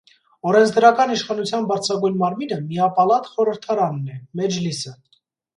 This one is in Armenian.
Օրենսդրական իշխանության բարձրագույն մարմինը միապալատ խորհրդարանն է՝ մեջլիսը։